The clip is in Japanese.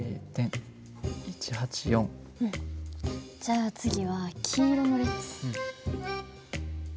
じゃあ次は黄色の列。